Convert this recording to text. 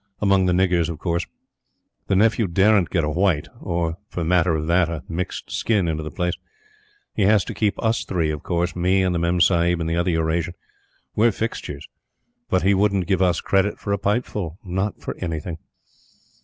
Among the niggers of course. The nephew daren't get a white, or, for matter of that, a mixed skin into the place. He has to keep us three of course me and the Memsahib and the other Eurasian. We're fixtures. But he wouldn't give us credit for a pipeful not for anything.